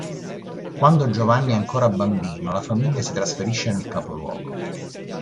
Quando Giovanni è ancora bambino la famiglia si trasferisce nel capoluogo.